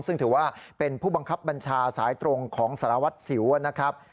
ซึ่งถือว่าเป็นผู้บังคับบัญชาสายตรงของสารวัตรสิวนะครับ